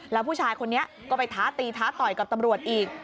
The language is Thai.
แล้วผู้ชายคนนี้ก็ไปท้าตีท้าต่อยกับตำรวจอีก